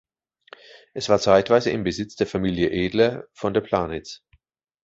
Es war zeitweise im Besitz der Familie Edler von der Planitz.